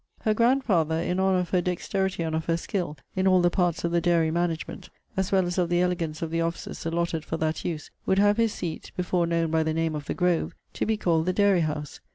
Her grandfather, in honour of her dexterity and of her skill in all the parts of the dairy management, as well as of the elegance of the offices allotted for that use, would have his seat, before known by the name of The Grove, to be called The Dairy house.